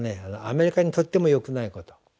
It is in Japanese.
アメリカにとってもよくないこと。